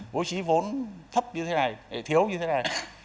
bố trí vốn thấp như thế này thiếu như thế này